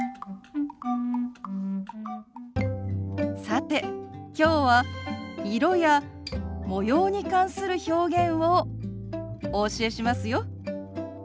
さてきょうは色や模様に関する表現をお教えしますよ。